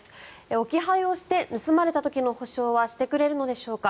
置き配をして盗まれた時の補償はしてくれるのでしょうか？